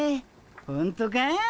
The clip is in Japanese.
ほんとか？